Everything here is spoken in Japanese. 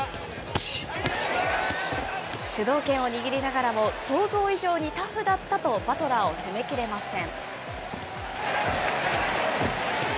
主導権を握りながらも、想像以上にタフだったと、バトラーを攻めきれません。